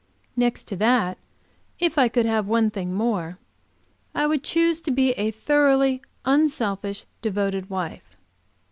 Next to that, if I could have one thing more, I would choose to be a thoroughly unselfish, devoted wife.